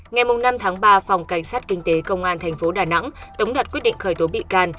ngày năm tháng ba phòng cảnh sát kinh tế công an thành phố đà nẵng tống đặt quyết định khởi tố bị can